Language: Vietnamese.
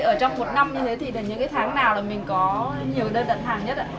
ở trong một năm như thế thì những tháng nào mình có nhiều đơn đặt hàng nhất